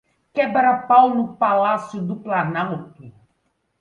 Quebra-pau no Palácio do Planalto